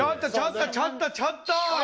ちょっとちょっと！